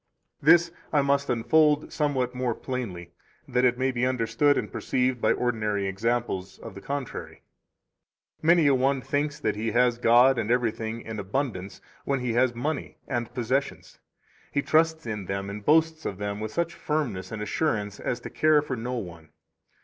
5 This I must unfold somewhat more plainly, that it may be understood and perceived by ordinary examples of the contrary. Many a one thinks that he has God and everything in abundance when he has money and, possessions; he trusts in them and boasts of them with such firmness and assurance as to care for no one.